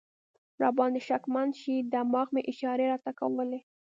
را باندې شکمن شي، دماغ مې اشارې راته کولې.